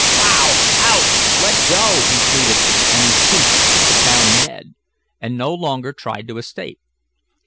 "Wow! Ouch! Let go!" he pleaded, and he ceased to pound Ned, and no longer tried to escape.